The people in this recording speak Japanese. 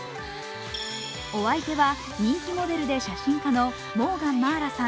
お相手は人気モデルで写真家のモーガン茉愛羅さん